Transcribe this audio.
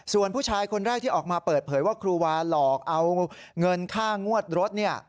ส่วนผู้ชายคนแรกที่ออกมาเปิดเผยว่าครูวาหลอกเอาเงินค่างวดรถเนี่ย